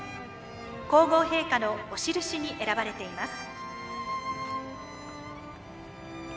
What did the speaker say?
皇后陛下のお印に選ばれています。